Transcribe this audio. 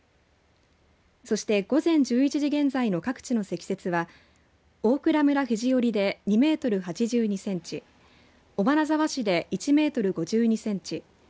そして、午前１１時現在の各地の積雪は大蔵村肘折で２メートル８２センチ尾花沢市で１メートル５２センチ